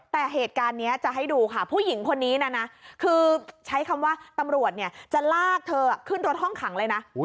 แต่เหตุการณ์นี้จะให้ดูค่ะผู้หญิงคนนี้นะนะคือใช้คำว่าตำรวจเนี่ยจะลากเธอขึ้นรถห้องขังเลยนะ